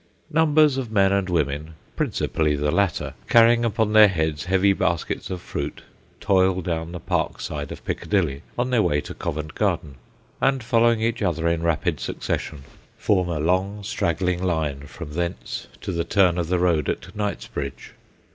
Numbers of men and women (principally the latter), carrying upon their heads heavy baskets of fruit, toil down the park side of Piccadilly, on their way to Covent Garden, and, following each other in rapid succession, form a long straggling line from thence to the turn of the road at Knightsbridge.